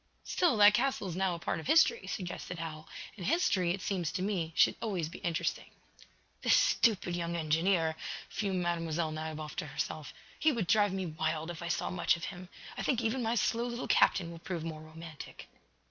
"Still, that castle is now a part of history," suggested Hal, "and history, it seems to me, should always be interesting." "This stupid young engineer!" fumed Mlle. Nadiboff, to herself. "He would drive me wild, if I saw much of him. I think even my slow little captain will prove more romantic."